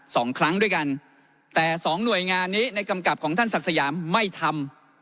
สองครั้งด้วยกันแต่สองหน่วยงานนี้ในกำกับของท่านศักดิ์สยามไม่ทำ